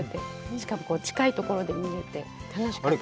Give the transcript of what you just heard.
しかも近いところで見れて楽しかったです。